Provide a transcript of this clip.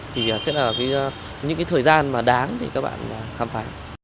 thì sẽ là những cái thời gian mà đáng thì các bạn khám phá